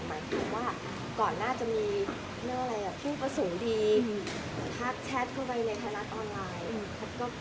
เพราะว่าก่อนหน้าจะมีเรื่องอะไรพิมพศูนย์ดีพัดแชทเข้าไปในธนัดออนไลน์